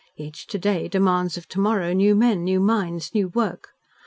Each to day demands of to morrow new men, new minds, new work.